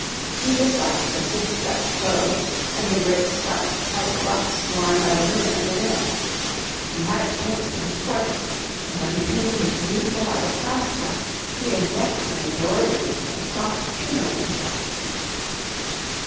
He disliked the stiff Dutch clothes and the great starched white ruffs worn by the women of the day. He had to paint them in his portraits; but when he painted his beautiful wife, Saskia, she is decked in embroideries and soft shimmering stuffs.